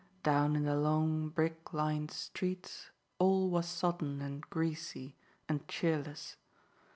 Down in the long, brick lined streets all was sodden and greasy and cheerless.